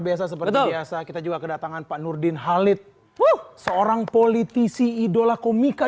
biasa seperti biasa kita juga kedatangan pak nurdin halid seorang politisi idola komika